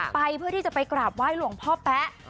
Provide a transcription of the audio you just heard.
ไปเพื่อที่จะไปกราบไหว้หลวงพ่อแป๊ะ